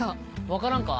⁉分からんか？